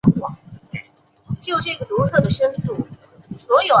缅南杭子梢为豆科杭子梢属下的一个亚种。